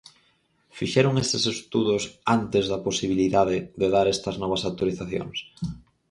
¿Fixeron eses estudos antes da posibilidade de dar estas novas autorizacións?